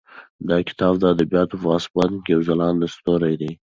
دا کتاب د ادبیاتو په اسمان کې یو ځلانده ستوری دی.